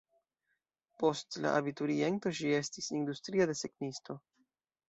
Post la abituriento ŝi estis industria desegnisto.